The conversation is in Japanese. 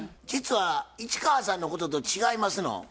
実は市川さんのことと違いますの？